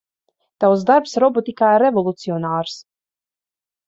Tavs darbs robotikā ir revolucionārs.